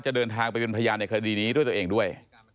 เดินทางไปเป็นพยานในคดีนี้ด้วยตัวเองด้วย